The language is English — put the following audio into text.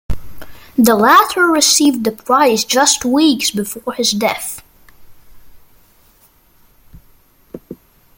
The latter received the prize just weeks before his death.